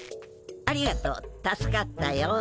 ありがとう助かったよ。